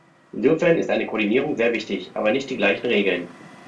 Insofern ist eine Koordinierung sehr wichtig, aber nicht die gleichen Regeln.